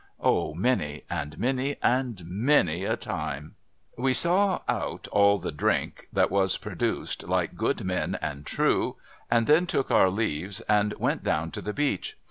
Oh many, and many, and many a time I We saw out all the drink that was produced, like good men and true, and then took our leaves, and went down to the beach.